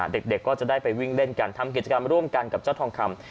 เด็กก็จะได้ไปวิ่งเล่นกันทำกิจกรรมร่วมกันกับเจ้าทองคำ